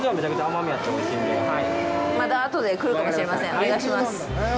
お願いします。